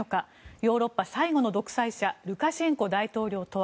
ヨーロッパ最後の独裁者ルカシェンコ大統領とは。